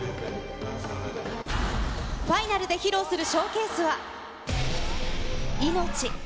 ファイナルで披露するショーケースは、生命。